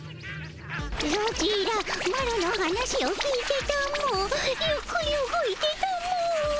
ソチらマロの話を聞いてたもゆっくり動いてたも。